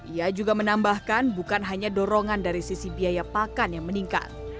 ia juga menambahkan bukan hanya dorongan dari sisi biaya pakan yang meningkat